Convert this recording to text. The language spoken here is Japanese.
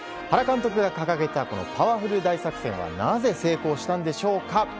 原監督が掲げたパワフル大作戦はなぜ成功したんでしょうか？